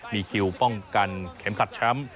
มีคิวป้องกันเข็มขัดแชมป์